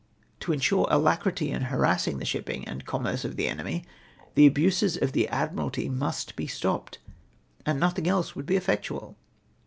To insure alacrity in harassing the shipping and commerce of the enemy, the abuses of the Admiralty must be stopped, and nothing else would be effectual."